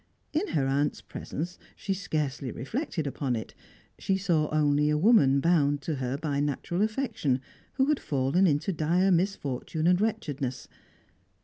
In her aunt's presence, she scarcely reflected upon it; she saw only a woman bound to her by natural affection, who had fallen into dire misfortune and wretchedness.